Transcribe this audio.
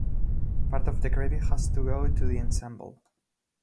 Part of the credit has to go to the ensemble.